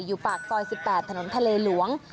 อยู่ปากซอย๑๘ถนนทะเลหลวง